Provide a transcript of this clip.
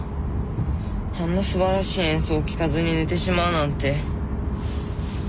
あんなすばらしい演奏を聴かずに寝てしまうなんて。